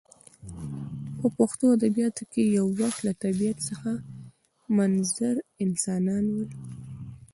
په پښتو ادبیاتو کښي یو وخت له طبیعت څخه منظر انسانان ول.